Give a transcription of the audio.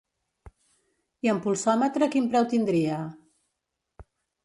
I amb pulsòmetre quin preu tindria?